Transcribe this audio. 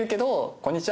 「こんにちは」